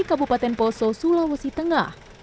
kabupaten poso sulawesi tengah